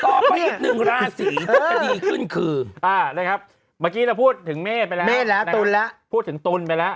ต่อไปอีกหนึ่งราศรีจะดีขึ้นคืออ่านะครับเมื่อกี้เราพูดถึงเม่ไปแล้วพูดถึงตุนไปแล้ว